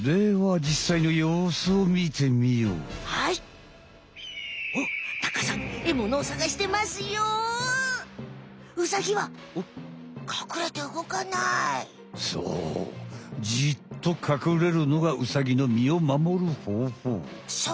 じっとかくれるのがウサギの身を守るほうほう。